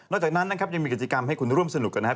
นอกจากนั้นยังมีกิจกรรมให้คุณร่วมสนุกก่อนนะครับ